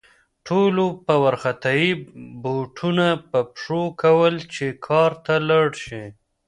ټولو په وارخطايي بوټونه په پښو کول چې کار ته لاړ شي